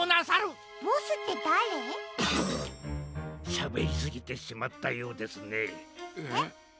しゃべりすぎてしまったようですね。